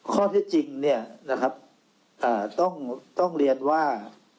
ข้อที่จริงต้องเรียนว่า